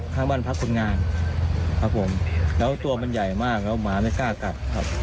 ข้างบ้านพักคนงานครับผมแล้วตัวมันใหญ่มากแล้วหมาไม่กล้าตัดครับ